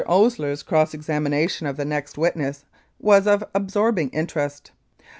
Osier's cross examination of the next witness was of absorbing interest. Dr.